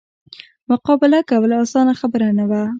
مقابله کول اسانه خبره نه وه.